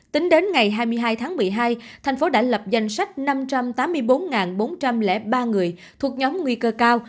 tính đến ngày hai mươi hai tháng một mươi hai thành phố đã lập danh sách năm trăm tám mươi bốn bốn trăm linh ba người thuộc nhóm nguy cơ cao